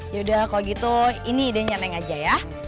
yaudah kalau gitu ini idenya neng aja ya